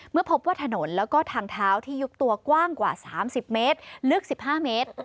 เมื่อพบว่าถนนแล้วก็ทางเท้าที่ยุบตัวกว้างกว่า๓๐เมตรลึก๑๕เมตร